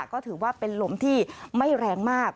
ก็ถือว่าเป็นลมที่ไม่แรงมาก